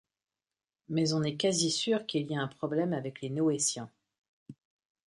mais on est quasisûrs qu'il y a un problème avec les Noétiens.